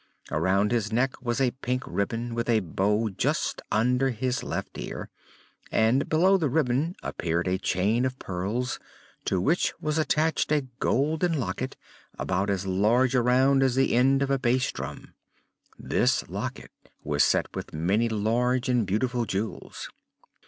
Around his neck was a pink ribbon with a bow just under his left ear, and below the ribbon appeared a chain of pearls to which was attached a golden locket about as large around as the end of a bass drum. This locket was set with many large and beautiful jewels.